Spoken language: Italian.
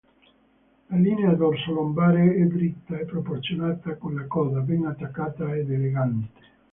La linea dorso-lombare è dritta e proporzionata con la coda, ben attaccata ed elegante.